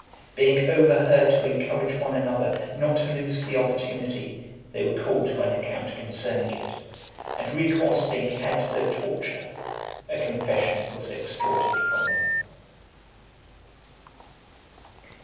Being overheard to encourage one another not to lose the opportunity, they were called to an account concerning it; and recourse being had to the torture, a confession was extorted from them.